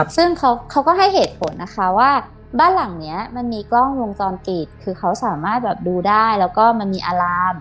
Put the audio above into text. ซึ่งเขาก็ให้เหตุผลนะคะว่าบ้านหลังนี้มันมีกล้องวงจรปิดคือเขาสามารถแบบดูได้แล้วก็มันมีอาราม